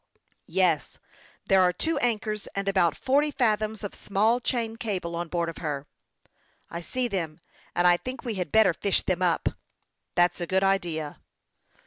" Yes, there are two anchors and about forty fathoms of small chain cable on board of her." " I see them ; and I think we had better fish them up." "That's a good idea."